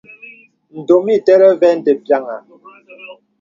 Ndōm iterəŋ və̀ mde piàŋha.